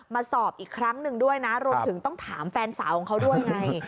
มาสอบอีกครั้งหนึ่งด้วยนะรวมถึงต้องถามแฟนสาวของเขาด้วยไง